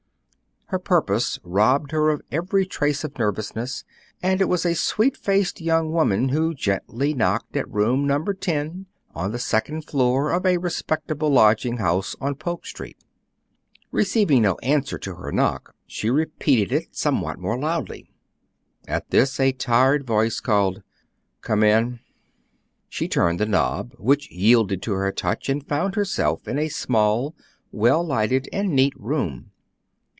Her purpose robbed her of every trace of nervousness; and it was a sweet faced young woman who gently knocked at room Number 10 on the second floor of a respectable lodging house on Polk Street. Receiving no answer to her knock, she repeated it somewhat more loudly. At this a tired voice called, "Come in." She turned the knob, which yielded to her touch, and found herself in a small, well lighted, and neat room.